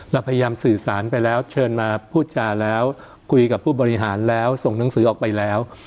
เราพยายามสื่อสารไปแล้วเชิญมาพูดจาแล้วคุยกับผู้บริหารแล้วส่งหนังสือออกไปแล้ว